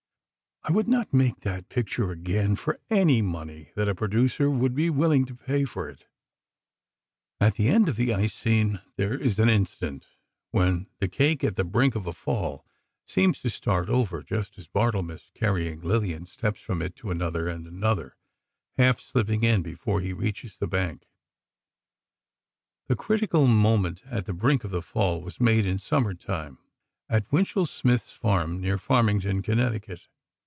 I would not make that picture again for any money that a producer would be willing to pay for it." [Illustration: "ANNA MOORE"] At the end of the ice scene, there is an instant when the cake, at the brink of a fall, seems to start over, just as Barthelmess, carrying Lillian, steps from it to another, and another, half slipping in before he reaches the bank. The critical moment at the brink of the fall was made in summer time, at Winchell Smith's farm, near Farmington, Connecticut.